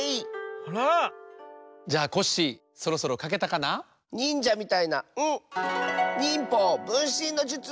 あら！じゃあコッシーそろそろかけたかな？にんじゃみたいな「ん」！にんぽうぶんしんのじゅつ！